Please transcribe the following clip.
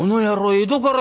江戸から？